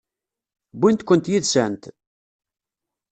Wwint-kent yid-sent?